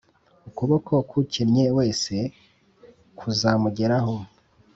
ukuboko k’ukennye wese kuzamugeraho